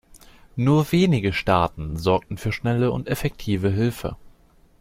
Nur weinige Staaten sorgten für schnelle und effektive Hilfe.